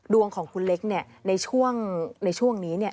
ดวงของคุณเล็กเนี่ยในช่วงนี้เนี่ย